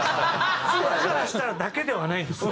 「僕からしたら」だけではないんですよ